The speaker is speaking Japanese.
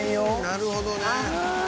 なるほどね。